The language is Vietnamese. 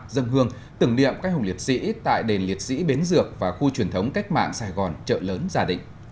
dân hương tưởng niệm các hùng liệt sĩ tại đền liệt sĩ bến dược và khu truyền thống cách mạng sài gòn chợ lớn gia đình